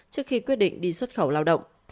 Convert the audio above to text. trước khi quyết định đi xuất khẩu lao động